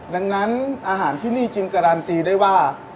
ดังนั้นอาหารที่นี่จึงการันตีได้ว่า